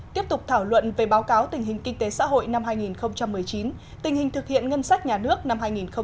tiếp tục thảo luận về báo cáo tình hình kinh tế xã hội năm hai nghìn một mươi chín tình hình thực hiện ngân sách nhà nước năm hai nghìn hai mươi